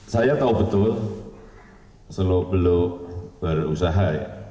saya tahu betul selobeluh berusaha